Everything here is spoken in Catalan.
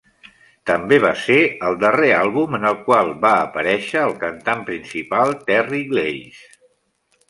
També va ser el darrer àlbum en el qual va aparèixer el cantant principal Terry Glaze.